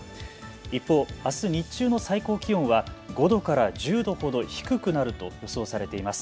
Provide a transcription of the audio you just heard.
一方、あす日中の最高気温は５度から１０度ほど低くなると予想されています。